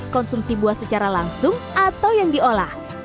konsumsi buah secara langsung atau yang diolah